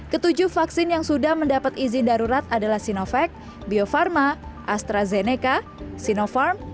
ketujuh vaksin yang sudah mendapat izin darurat adalah sinovac bio farma astrazeneca sinopharm